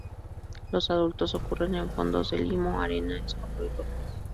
Los adultos ocurren en fondos de limo, arena, escombro y rocas.